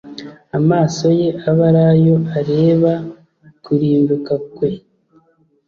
amaso ye abe ari yo areba kurimbuka kwe